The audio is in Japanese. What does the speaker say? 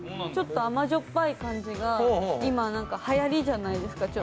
甘じょっぱい感じが今はやりじゃないですか。